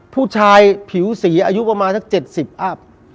ผู้ชายผิวสีอายุประมาณสัก๗๐อัพ